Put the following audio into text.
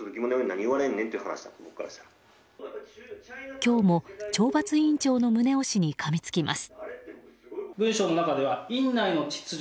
今日も懲罰委員長の宗男氏にかみつきます。